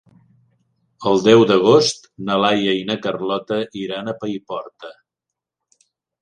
El deu d'agost na Laia i na Carlota iran a Paiporta.